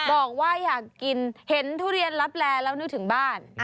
บอกว่าอยากกินเห็นทุเรียนลับแลแล้วนึกถึงบ้าน